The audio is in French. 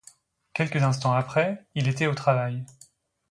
Quelques instants après, il était au travail.